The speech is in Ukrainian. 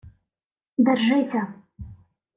— Держися!..